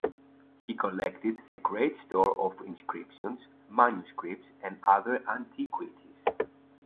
He collected a great store of inscriptions, manuscripts, and other antiquities.